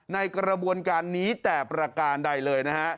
ในกระบวนการนี้แต่ประการใดเลยนะฮะ